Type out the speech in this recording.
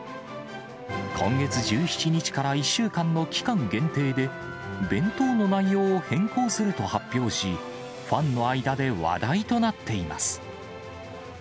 今月１７日から１週間の期間限定で、弁当の内容を変更すると発表し、ファンの間で話題となっています。